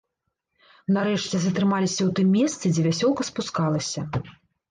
Нарэшце затрымаліся ў тым месцы, дзе вясёлка спускалася.